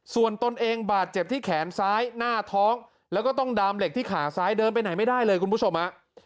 ส่วนตนเองบาดเจ็บที่แขนซ้ายหน้าท้องแล้วก็ต้องดามเหล็กที่ขาซ้ายเดินไปไหนไม่ได้เลยคุณผู้ชมฮะ